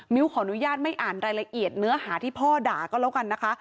ขออนุญาตไม่อ่านรายละเอียดเนื้อหาที่พ่อด่าก็แล้วกันนะคะ